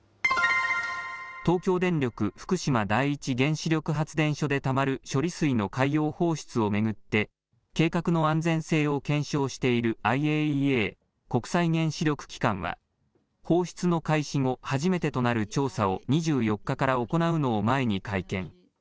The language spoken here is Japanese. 東京電力福島第一原子力発電所でたまる処理水の海洋放出を巡って、計画の安全性を検証しているＩＡＥＡ・国際原子力機関は、放出の開始後、初めてとなる調査を２４日から行うのを前に会見。